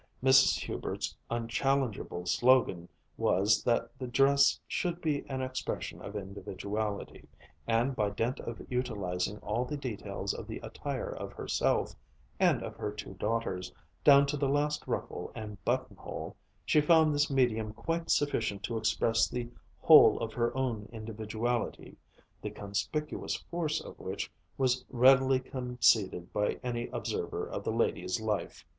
Mrs. Hubert's unchallengeable slogan was that dress should be an expression of individuality, and by dint of utilizing all the details of the attire of herself and of her two daughters, down to the last ruffle and buttonhole, she found this medium quite sufficient to express the whole of her own individuality, the conspicuous force of which was readily conceded by any observer of the lady's life.